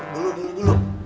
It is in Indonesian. belum belum belum